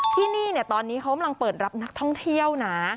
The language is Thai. ที่นี่ตอนนี้เขากำลังเปิดรับนักท่องเที่ยวนะ